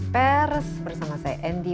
pers bersama saya andy